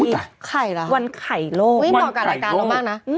ไข่ล่ะวันไข่โลกวันไข่โลกอุ๊ยเหมาะกับรายการเราบ้างนะ